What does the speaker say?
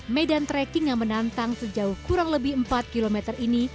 medan trekking yang menantang sejauh kurang lebih empat km ini